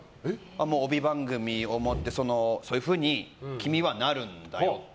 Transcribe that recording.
帯番組を持って、そういうふうに君はなるんだよって。